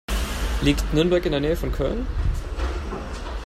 Liegt Nürnberg in der Nähe von Köln?